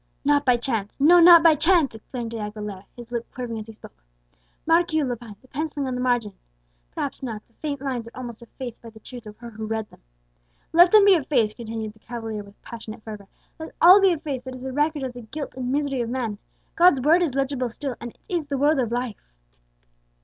"Not by chance; no, not by chance!" exclaimed De Aguilera, his lip quivering as he spoke. "Mark you, Lepine, the pencilling on the margin? Perhaps not, the faint lines are almost effaced by the tears of her who read them. Let them be effaced!" continued the cavalier with passionate fervour; "let all be effaced that is a record of the guilt and misery of man, God's Word is legible still, and it is the Word of Life."